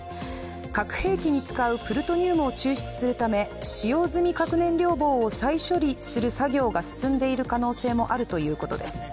核兵器に使うプルトニウムを抽出するため使用済み核燃料棒を再処理する作業が進んでいる可能性もあるということです。